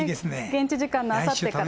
現地時間のあさってから。